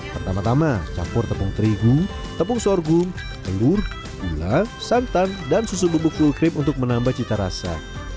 pertama tama campur tepung terigu tepung sorghum telur gula santan dan susu bubuk full crip untuk menambah cita rasa